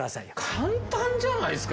簡単じゃないですか。